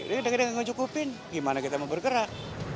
dia enggak mencukupin gimana kita mau bergerak